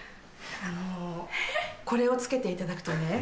これを着けていただくとね